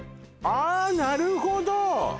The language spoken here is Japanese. あっなるほど！